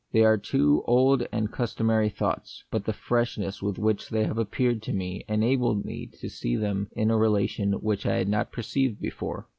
They are two old and customary thoughts ; but the freshness with which they appeared to me enabled me to see in them a relation which I had not perceived before.